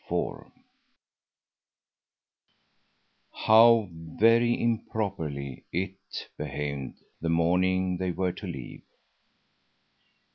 IV How very improperly "it" behaved the morning they were to leave!